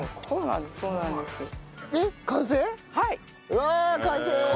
うわあ完成！